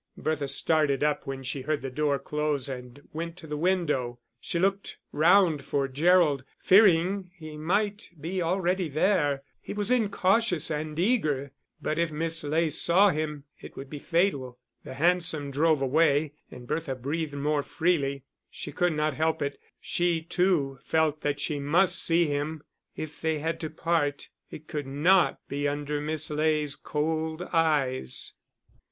Bertha started up when she heard the door close and went to the window. She looked round for Gerald, fearing he might be already there; he was incautious and eager: but if Miss Ley saw him, it would be fatal. The hansom drove away and Bertha breathed more freely. She could not help it; she too felt that she must see him. If they had to part, it could not be under Miss Ley's cold eyes.